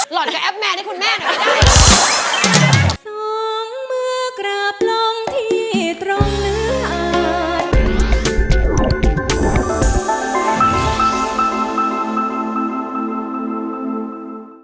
หล่อนกับแอปแม่นี่คุณแม่หน่อยไม่ได้